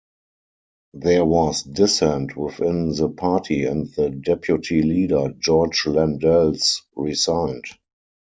There was dissent within the party and the deputy-leader George Landells resigned.